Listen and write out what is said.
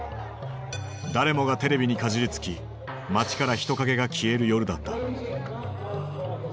誰もがテレビにかじりつき街から人影が消える夜だった。